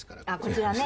こちらね。